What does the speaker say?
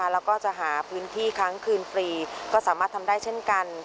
แล้วก็จะหาพื้นที่ค้างคืนฟรีก็สามารถทำได้เช่นกัน